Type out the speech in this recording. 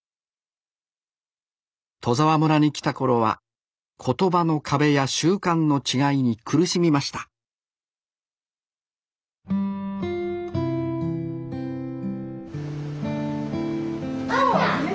戸沢村に来た頃は言葉の壁や習慣の違いに苦しみましたおおっ！